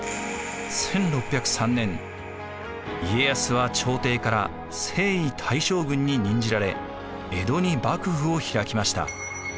１６０３年家康は朝廷から征夷大将軍に任じられ江戸に幕府を開きました。